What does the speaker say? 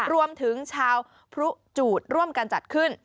รวมถึงชาวพรุจูดร่วมกันจัดขึ้น